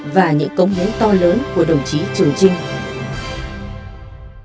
và những công hướng to lớn của đồng chí trường trinh